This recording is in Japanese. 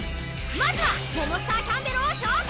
まずはモモスターキャンベロを召喚！